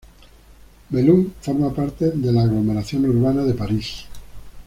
Melun forma parte de la aglomeración urbana de París.